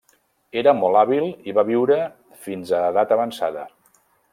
Era molt hàbil i va viure fins edat avançada.